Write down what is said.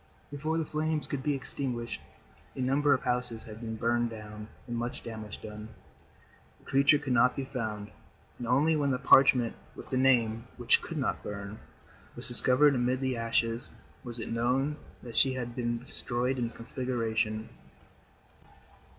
Before the flames could be extinguished, a number of houses had been burned down and much damage done. The creature could not be found, and only when the parchment with the Name, which could not burn, was discovered amid the ashes, was it known that she had been destroyed in the conflagration.